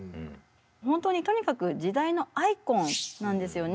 本当にとにかく時代のアイコンなんですよね。